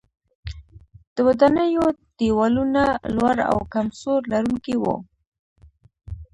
د ودانیو دیوالونه لوړ او کم سور لرونکي وو.